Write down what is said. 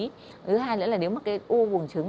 thứ hai nữa là nếu mà cái u bồn trứng